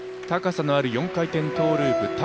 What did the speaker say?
高さのある４回転トーループ。